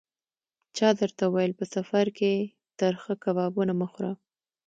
چا درته ویل: په سفر کې ترخه کبابونه مه خوره.